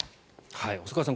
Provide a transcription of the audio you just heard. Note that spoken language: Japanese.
細川さん